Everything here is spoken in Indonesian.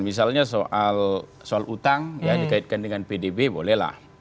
misalnya soal utang ya dikaitkan dengan pdb bolehlah